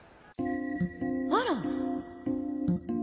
あら。